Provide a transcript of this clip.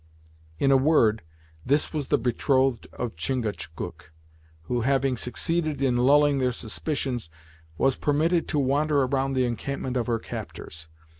In a word, this was the betrothed of Chingachgook, who having succeeded in lulling their suspicions, was permitted to wander around the encampment of her captors.